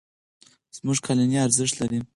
زموږ قالینې ارزښت لري.